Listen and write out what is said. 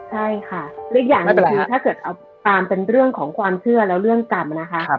ใช่ค่ะหรืออีกอย่างหนึ่งคือถ้าเกิดเอาตามเป็นเรื่องของความเชื่อแล้วเรื่องกรรมนะคะ